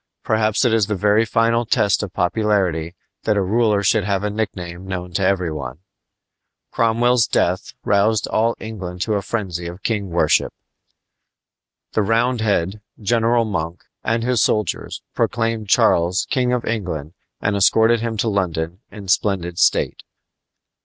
Perhaps it is the very final test of popularity that a ruler should have a nickname known to every one. Cromwell's death roused all England to a frenzy of king worship. The Roundhead, General Monk, and his soldiers proclaimed Charles King of England and escorted him to London in splendid state.